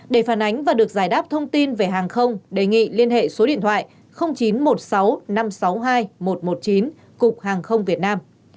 để phản ánh và được giải đáp thông tin về hàng không đề nghị liên hệ số điện thoại chín trăm một mươi sáu năm trăm sáu mươi hai một trăm một mươi chín cục hàng không việt nam